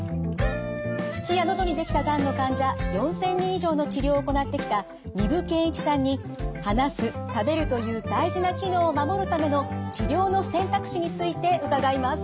口や喉にできたがんの患者４，０００人以上の治療を行ってきた丹生健一さんに話す食べるという大事な機能を守るための治療の選択肢について伺います。